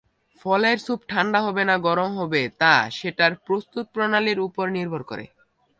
ফলের স্যুপ ঠান্ডা হবে না গরম হবে তা সেটার প্রস্তুত প্রণালীর ওপর নির্ভর করে।